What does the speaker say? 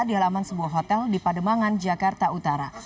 di halaman sebuah hotel di pademangan jakarta utara